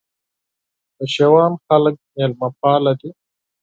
د شېوان خلک مېلمه پاله دي